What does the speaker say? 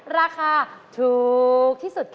ราคาถูกที่สุด